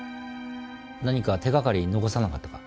何か手がかり残さなかったか？